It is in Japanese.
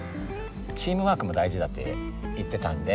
チームワークも大事だって言ってたんで。